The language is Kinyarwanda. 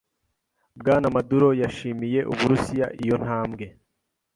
Bwana Maduro yashimiye Uburusiya iyo ntambwe.